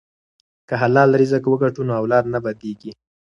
که حلال رزق وګټو نو اولاد نه بد کیږي.